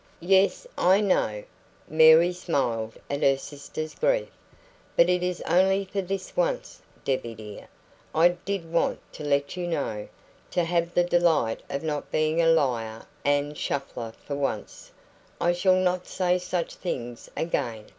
"Yes, I know." Mary smiled at her sister's grief. "But it is only for this once, Debbie dear. I did want to let you know to have the delight of not being a liar and a shuffler for once. I shall not say such things again.